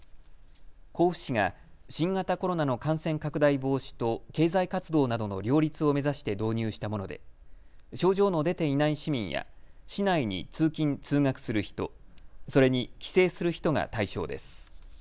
甲府市が新型コロナの感染拡大防止と経済活動などの両立を目指して導入したもので症状の出ていない市民や市内に通勤通学する人、それに帰省する人が対象です。